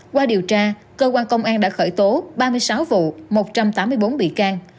qua điều tra cơ quan công an đã khởi tố ba mươi sáu vụ một trăm tám mươi bốn bị can